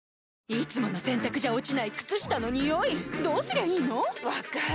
いつもの洗たくじゃ落ちない靴下のニオイどうすりゃいいの⁉分かる。